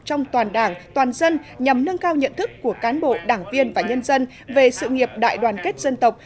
trong toàn đảng toàn dân nhằm nâng cao nhận thức của cán bộ đảng viên và nhân dân về sự nghiệp đại đoàn kết dân tộc